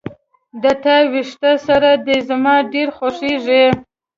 د تا وېښته سره ده زما ډیر خوښیږي